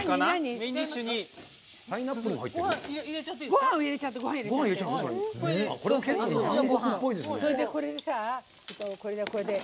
ごはん入れちゃって。